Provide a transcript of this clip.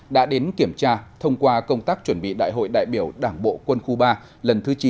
đã đến kiểm tra thông qua công tác chuẩn bị đại hội đại biểu đảng bộ quân khu ba lần thứ chín